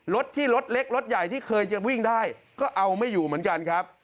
รถที่รถเล็กรถใหญ่ที่เคยจะวิ่งได้ก็เอาไม่อยู่เหมือนกันครับ